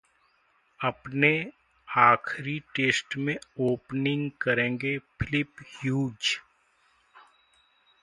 अपने आखिरी टेस्ट में ओपनिंग करेंगे फिलिप ह्यूज!